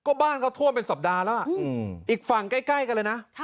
ก็บ้านเขาท่วมเป็นสัปดาห์แล้วอีกฝั่งใกล้กันเลยนะ